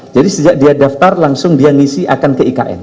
jadi sejak dia daftar langsung dia ngisi akan ke ikn